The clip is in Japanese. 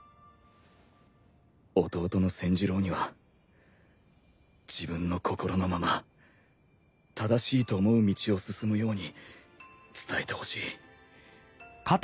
弟の千寿郎には自分の心のまま正しいと思う道を進むように伝えてほしい。